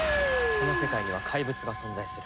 この世界には怪物が存在する。